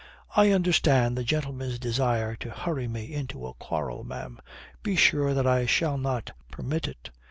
"I understand the gentleman's desire to hurry me into a quarrel, ma'am. Be sure that I shall not permit it."